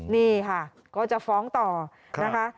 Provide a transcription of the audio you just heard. นี่ค่ะก็จะฟ้องต่อนะคะ